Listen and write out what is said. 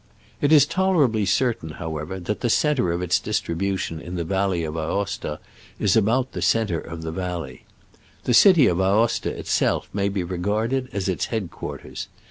It is tolerably certain, however, that the centre of its distribution in the valley of Aosta is about the centre of the valley. The city of Aosta itself may be regarded as its head quarters.